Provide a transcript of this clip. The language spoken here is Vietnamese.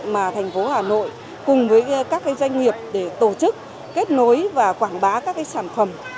mà thành phố hà nội cùng với các doanh nghiệp để tổ chức kết nối và quảng bá các sản phẩm